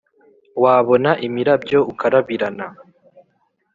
wabona imirabyo ukarabirana